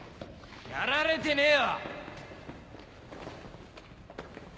やられてねえわ！